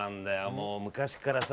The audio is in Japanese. もう昔からさ